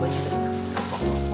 boleh juga sekarang